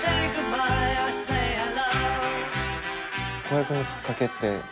洸平君のきっかけって？